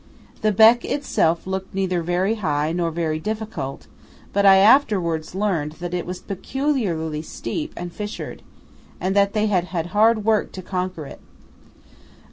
The Bec itself looked neither very high nor very difficult, but I afterwards learned that it was peculiarly steep and fissured, and that they had hard work to conquer it.